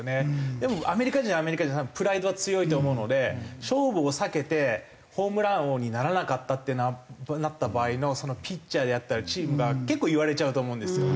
でもアメリカ人はアメリカ人で多分プライドは強いと思うので勝負を避けてホームラン王にならなかったってなった場合のピッチャーであったりチームが結構言われちゃうと思うんですよ。